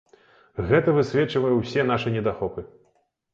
Гэта высвечвае ўсе нашы недахопы.